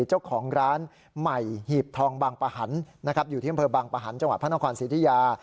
เจ้าของร้านใหม่หีบทองบางปะหันนะครับอยู่ที่อำเภอบางประหันต์จังหวัดพระนครสิทธิยา